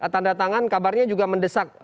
tanda tangan kabarnya juga mendesak